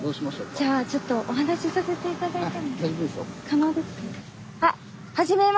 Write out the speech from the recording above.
じゃあちょっとお話しさせて頂いても。